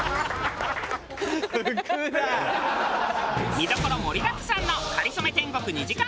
見どころ盛りだくさんの『かりそめ天国』２時間